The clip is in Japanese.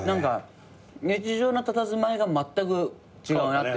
日常のたたずまいがまったく違うなって。